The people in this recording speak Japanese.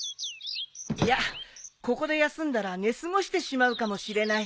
いやここで休んだら寝過ごしてしまうかもしれない。